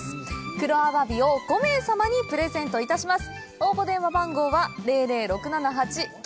「黒アワビ」を５名様にプレゼントいたします。